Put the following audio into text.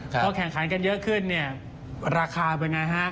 พอแข่งขันกันเยอะขึ้นเนี่ยราคาเป็นไงฮะ